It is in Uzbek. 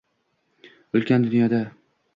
Ulkan dunyoda